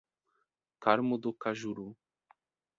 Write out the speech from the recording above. Carmo do Cajuru